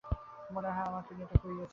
মনে হয় আমার কিডনিটা খুইয়েছি।